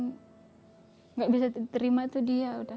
yang gak bisa diterima itu dia udah